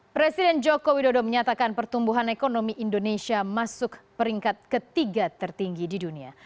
presiden joko widodo menyatakan pertumbuhan ekonomi indonesia masuk peringkat ketiga tertinggi di dunia